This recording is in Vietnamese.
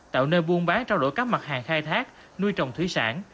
tạo nơi buôn bán trao đổi các mặt hàng khai thác nuôi trồng thủy sản